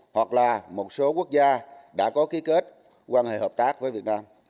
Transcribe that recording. hoặc là một số quốc gia đã có ký kết quan hệ hợp tác với việt nam